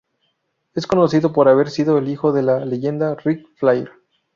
Es conocido por haber sido el hijo de la leyenda Ric Flair.